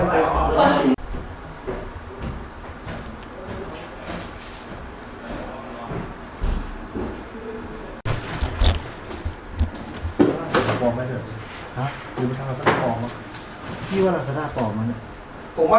พี่หรอหน้าสะดวกป่อมอะไรผมว่าสะดวกป่อมพี่ผมว่า